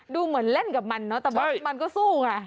ดูเหมือนเล่นกับมันเนอะแต่มันก็สู้ไง